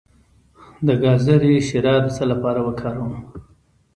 د ګازرې شیره د څه لپاره وکاروم؟